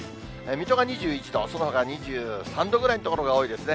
水戸が２１度、そのほか２３度ぐらいの所が多いですね。